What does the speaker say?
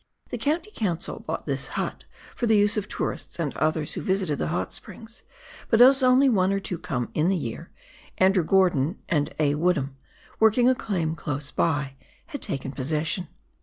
The County Council bought this hut for the use of tourists and others who visited the hot springs, but as only one or two come in the year, Andrew Gordon and A. Woodham, working a claim close by, had taken possession.